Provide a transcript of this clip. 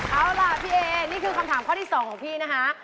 เอาล่ะพี่เอนี่คือคำถามข้อที่๒ของพี่นะคะ